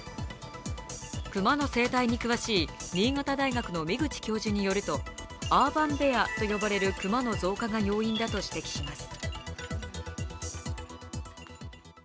熊の生態に詳しい新潟大学の箕口教授によるとアーバンベアと呼ばれる熊の増加が要因だと指摘します。